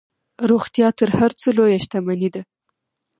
روغتیا تر هر څه لویه شتمني ده.